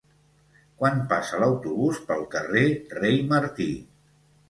Quan passa l'autobús pel carrer Rei Martí?